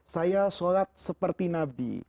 saya sholat seperti nabi